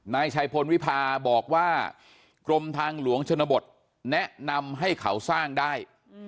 นายชัยพลวิพาบอกว่ากรมทางหลวงชนบทแนะนำให้เขาสร้างได้